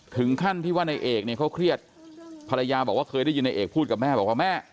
ถึงขั้นที่ว่าในเอกเนี่ยเขาเครียดภรรยาบอกว่าเคยได้ยินในเอกพูดกับแม่บอกว่าแม่